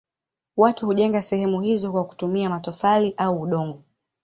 Watu hujenga sehemu hizo kwa kutumia matofali au udongo.